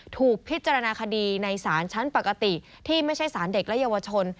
ถูกพิจารณาคดีในศาลชั้นปกติที่ไม่ใช่สารเด็กและเยาวชน